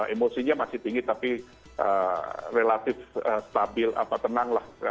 emosinya masih tinggi tapi relatif stabil atau tenanglah